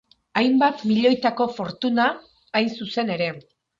Hainbat milioitako fortuna, hain zuzen ere.